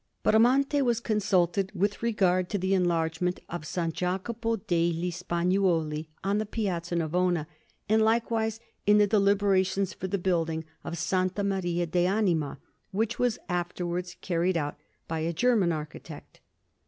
Bramante was consulted with regard to the enlargement of S. Jacopo degli Spagnuoli, on the Piazza Navona, and likewise in the deliberations for the building of S. Maria de Anima, which was afterwards carried out by a German architect.